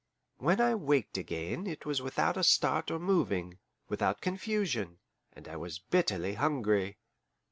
When I waked again, it was without a start or moving, without confusion, and I was bitterly hungry.